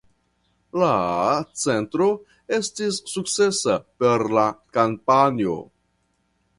La centro estis sukcesa per la kampanjo.